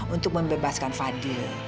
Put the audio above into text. untuk membebaskan fadil